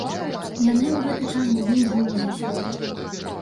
Яны ў гэты час былі ўжо ў лесе.